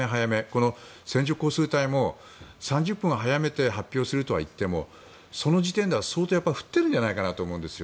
この線状降水帯も３０分早めて発表するとは言ってもその時点では相当降ってるんじゃないかと思うんですよ。